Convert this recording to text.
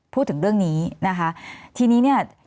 พูดถึงเรื่องนี้นะคะทีนี้เนี่ย